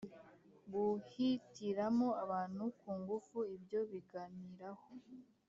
guhitiramo abantu ku ngufu ibyo baganiraho,